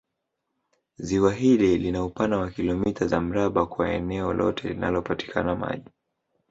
Ziwa hili lina upana wa kilomita za mraba kwa eneo lote linalopatikana maji